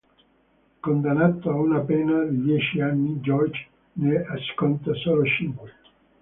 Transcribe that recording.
Condannato a una pena di dieci anni, George ne sconta solo cinque.